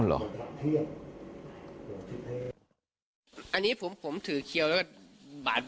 แต่พ่อผมยังมีชีวิตอยู่นะครับ